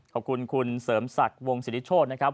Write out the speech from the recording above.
ขอบคุณคุณเสริมศักดิ์วงศิริโชธนะครับ